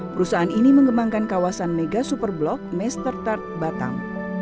perusahaan ini mengembangkan kawasan mega super blok m batam